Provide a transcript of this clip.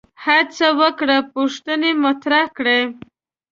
هڅه وکړه پوښتنې مطرح کړي